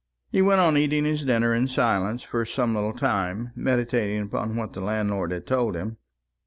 He went on eating his dinner in silence for some little time, meditating upon what the landlord had told him.